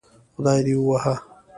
خدای دې ووهه